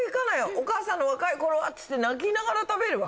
お母さんが若い頃はっつって泣きながら食べるわ。